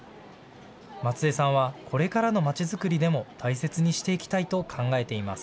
松江さんは、これからのまちづくりでも大切にしていきたいと考えています。